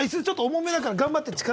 ちょっと重めだから頑張って。